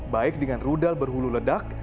baik dengan rudal berhulu ledak